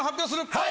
はい。